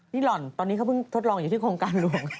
หล่อนตอนนี้เขาเพิ่งทดลองอยู่ที่โครงการหลวง